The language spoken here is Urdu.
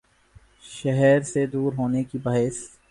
شہر سے دور ہونے کے باعث